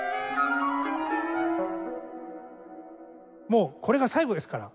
もうこれが最後ですから。